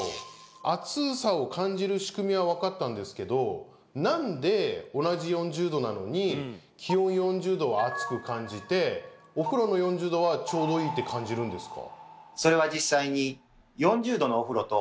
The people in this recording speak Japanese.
暑さを感じる仕組みは分かったんですけど気温４０℃は暑く感じてお風呂の４０℃はちょうどいいって感じるんですか？